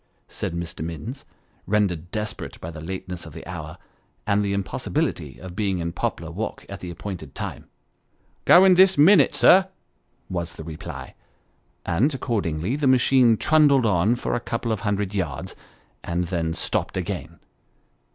said Mr. Minns, rendered desperate by the lateness of the hour, and the impos sibility of being in Poplar Walk at the appointed time. " Going this minute, sir," was the reply ; and, accordingly, the machine trundled on for a couple of hundred yards, and then stopped again.